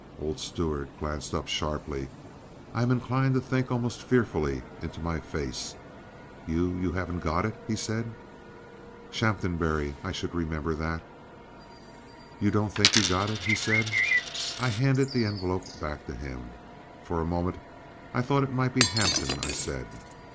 Old Stuart had glanced up sharply, I am inclined to think almost fearfully, into my face. "You—you haven't got it?" he said. Shaphambury—I should remember that. "You don't think you got it?" he said. I handed the envelope back to him. "For a moment I thought it might be Hampton," I said.